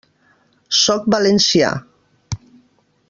Sóc valencià.